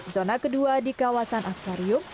zona kedua di kawasan akwarium